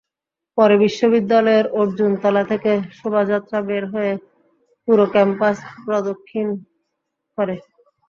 পরে বিশ্ববিদ্যালয়ের অর্জুনতলা থেকে শোভাযাত্রা বের হয়ে পুরো ক্যাম্পাস প্রদক্ষিণ করে।